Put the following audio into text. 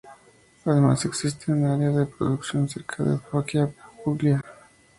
Además existe un área de producción cerca de Foggia, Puglia.